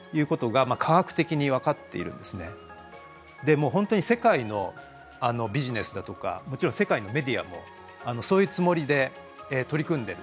もう本当に世界のビジネスだとかもちろん世界のメディアもそういうつもりで取り組んでる。